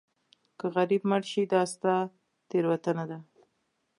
که غریب مړ شې دا ستا تېروتنه ده.